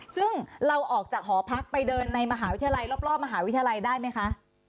ซึ่งเราออกจากหอพักไปเดินในมหาวิทยาลัยรอบมหาวิทยาลัยได้ไหมคะ